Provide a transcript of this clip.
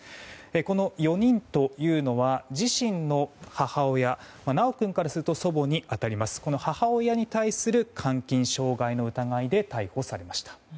この４人というのは自身の母親修君からすると祖母に当たりますこの母親に対する監禁・傷害の疑いで逮捕されました。